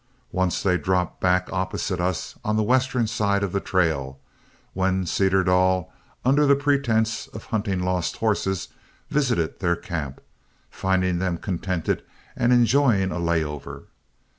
Once they dropped back opposite us on the western side of the trail, when Cedardall, under the pretense of hunting lost horses, visited their camp, finding them contented and enjoying a lay over.